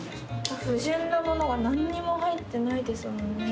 不純なものが何にも入ってないですもんね。